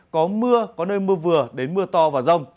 có mưa có nơi mưa vừa đến mưa to và rông